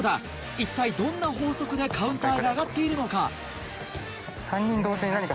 一体どんな法則でカウンターが上がっているのか。